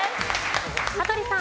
羽鳥さん。